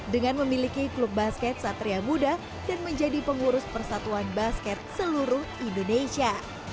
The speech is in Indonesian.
dengan memiliki klub basket satria muda dan menjadi pengurus persatuan basket seluruh indonesia